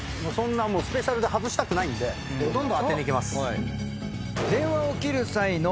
スペシャルで外したくないんでどんどん当てにいきます。